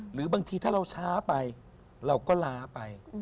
หรือบางทีถ้าเราช้าไปเราก็ล้าไป